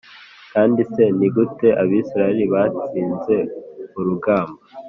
kandi se ni gute Abisirayeli batsinze urugamba